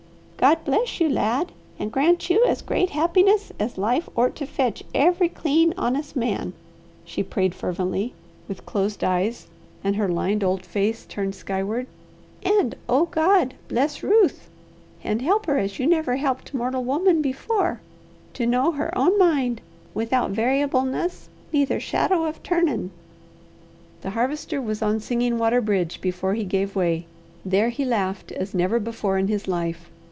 "God bless you, lad, and grant you as great happiness as life ort to fetch every clean, honest man," she prayed fervently, with closed eyes and her lined old face turned skyward. "And, O God, bless Ruth, and help her as You never helped mortal woman before to know her own mind without 'variableness, neither shadow of turnin'.'" The Harvester was on Singing Water bridge before he gave way. There he laughed as never before in his life.